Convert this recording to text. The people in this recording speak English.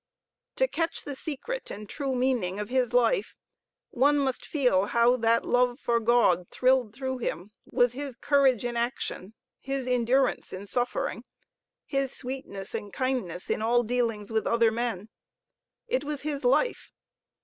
To catch the secret and true meaning of his life, one must feel how that love for God thrilled through him, was his. courage in action, his endurance in suffering, his sweetness and kindness in all dealings with other men. It was his life.